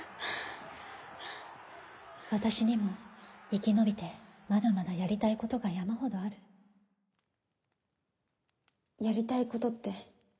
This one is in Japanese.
私にも生き延びてまだまだやりたいことが山ほどあるやりたいことって？